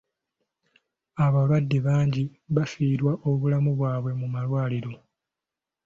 Abalwadde bangi bafiirwa obulamu bwabwe mu malwaliro.